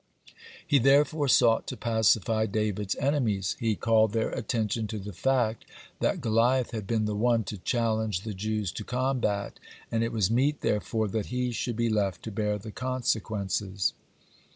He therefore sought to pacify David's enemies. He called their attention to the fact that Goliath had been the one to challenge the Jews to combat, and it was meet, therefore, that he should be left to bear the consequences.